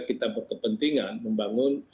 kita berkepentingan membangun